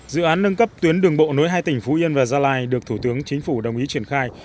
dự án nâng cấp tuyến đường bộ nối hai tỉnh phú yên và gia lai được thủ tướng chính phủ đồng ý triển khai